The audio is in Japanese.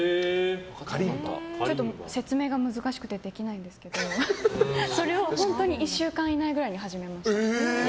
説明が難しくてできないんですけどそれを１週間以内ぐらいに始めました。